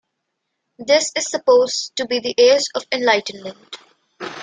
This is supposed to be the age of enlightenment.